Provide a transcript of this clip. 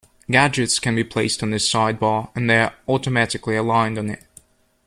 Gadgets can be placed on this sidebar, and they are automatically aligned on it.